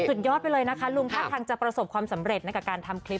สุดยอดไปเลยนะคะลุงท่าทางจะประสบความสำเร็จในการทำคลิป